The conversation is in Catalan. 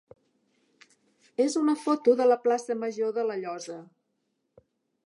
és una foto de la plaça major de La Llosa.